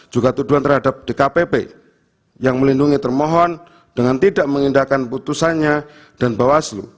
juga tuduhan terhadap dkpp yang melindungi termohon dengan tidak mengindahkan putusannya dan bawaslu